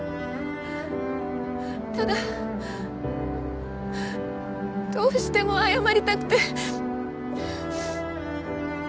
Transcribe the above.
ただどうしても謝りたくて。